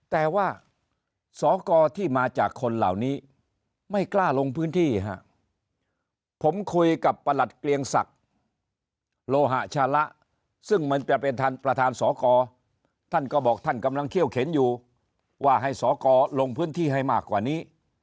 แต่ว่าสกที่มาจากคนเหล่านี้ไม่กล้าลงพื้นที่ฮะผมคุยกับประหลัดเกลียงศักดิ์โลหะชาละซึ่งมันจะเป็นประธานสกท่านก็บอกท่านกำลังเขี้ยวเข็นอยู่ว่าให้สกลงพื้นที่ให้มากกว่านี้